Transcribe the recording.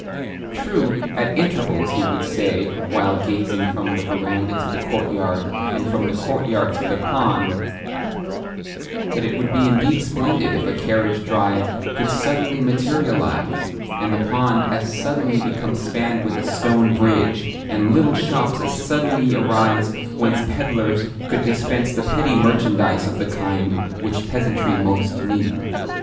True, at intervals he would say, while gazing from the verandah to the courtyard, and from the courtyard to the pond, that it would be indeed splendid if a carriage drive could suddenly materialise, and the pond as suddenly become spanned with a stone bridge, and little shops as suddenly arise whence pedlars could dispense the petty merchandise of the kind which peasantry most need.